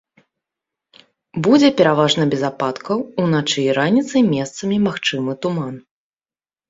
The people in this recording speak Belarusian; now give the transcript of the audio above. Будзе пераважна без ападкаў, уначы і раніцай месцамі магчымы туман.